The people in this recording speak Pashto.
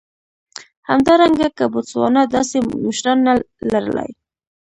همدارنګه که بوتسوانا داسې مشران نه لر لای.